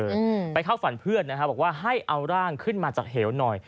อืมไปเข้าฝันเพื่อนนะฮะบอกว่าให้เอาร่างขึ้นมาจากเหวหน่อย